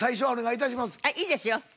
いいですよ。